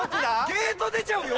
ゲート出ちゃうよ？